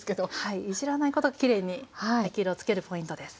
いじらないことがきれいに焼き色をつけるポイントです。